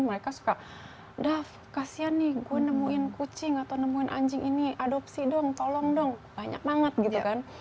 mereka suka dah kasihan nih gue nemuin kucing atau nemuin anjing ini adopsi dong tolong dong banyak banget gitu kan